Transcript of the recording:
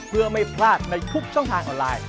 เพื่อไม่พลาดในทุกช่องทางออนไลน์